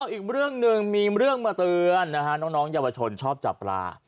อีกเรื่องหนึ่งมีเรื่องมาเตือนนะฮะน้องเยาวชนชอบจับปลา